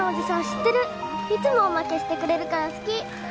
知ってるいつもおまけしてくれるから好き